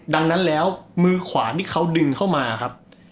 ดังนั้นแล้วมือขวานี่เขาดึงเข้ามาครับ